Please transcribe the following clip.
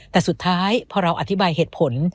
แต่สุดท้ายพอเราอธิบายเหตุผล